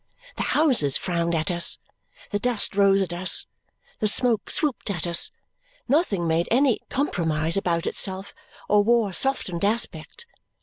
The houses frowned at us, the dust rose at us, the smoke swooped at us, nothing made any compromise about itself or wore a softened aspect.